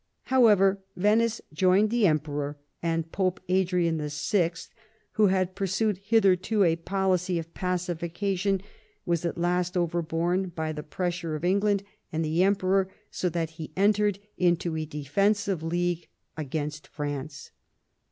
However, Venice joined the Emperor, and Pope Adrian VI., who had pursued hitherto a policy of pacification, was at last overborne by the pressure of England and the Emperor, so that he entered into a defensive league against France.